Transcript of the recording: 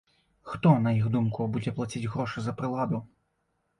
Хто, на іх думку, будзе плаціць грошы за прыладу?